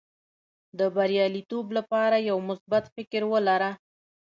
د بریالیتوب لپاره یو مثبت فکر ولره.